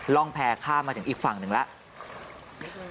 ร่องแพร่ข้ามมาถึงอีกฝั่งหนึ่งแล้ว